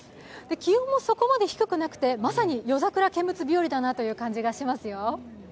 気温もそこまで低くなくて、まさに夜桜見物日和だなという感じがしますよ。